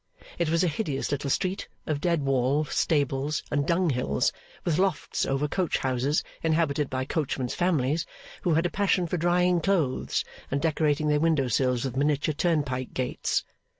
It was a hideous little street of dead wall, stables, and dunghills, with lofts over coach houses inhabited by coachmen's families, who had a passion for drying clothes and decorating their window sills with miniature turnpike gates.